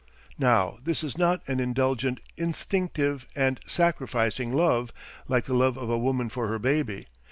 Now this is not an indulgent, instinctive, and sacrificing love like the love of a woman for her baby.